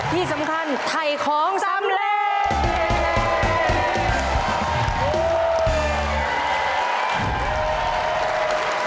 ที่สำคัญไถ่ของสำเร็จ